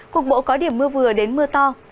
cuộc bộ có điểm mưa vừa đến mưa to